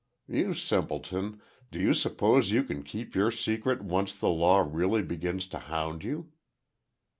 You simpleton! Do you suppose you can keep your secret once the law really begins to hound you?